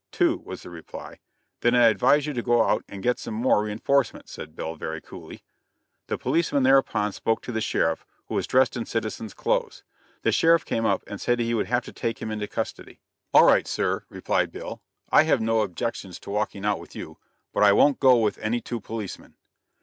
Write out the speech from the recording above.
"Two," was the reply. "Then I advise you to go out and get some more reinforcements," said Bill, very coolly. The policemen thereupon spoke to the sheriff, who was dressed in citizen's clothes. The sheriff came up and said he would have to take him into custody. "All right, sir," replied Bill, "I have no objections to walking out with you, but I won't go with any two policemen."